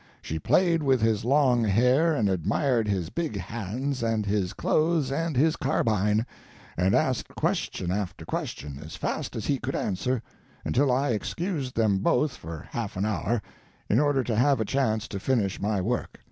She played with his long hair, and admired his big hands and his clothes and his carbine, and asked question after question, as fast as he could answer, until I excused them both for half an hour, in order to have a chance to finish my work.